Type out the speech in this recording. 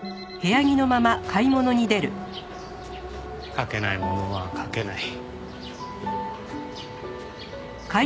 「」書けないものは書けない。